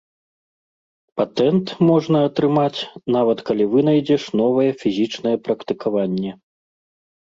Патэнт можна атрымаць, нават калі вынайдзеш новае фізічнае практыкаванне.